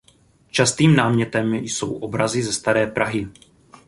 Častým námětem jsou obrazy ze staré Prahy.